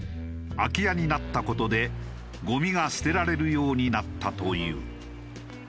空き家になった事でゴミが捨てられるようになったという。